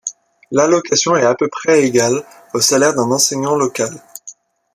L'allocation est à peu près égale au salaire d'un enseignant local.